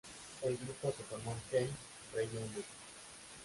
El grupo se formó en Kent, Reino Unido.